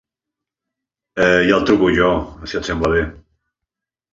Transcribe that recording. Ja el truco jo, si et sembla bé.